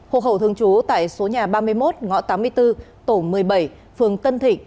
hộ khẩu thường trú tại số nhà ba mươi một ngõ tám mươi bốn tổ một mươi bảy phường tân thịnh